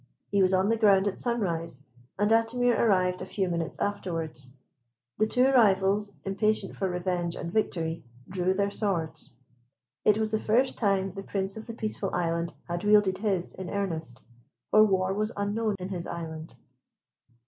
He was on the ground at sunrise, and Atimir arrived a few minutes afterwards. The two rivals, impatient for revenge and victory, drew their swords. It was the first time the Prince of the Peaceful Island had wielded his in earnest, for war was unknown in his island.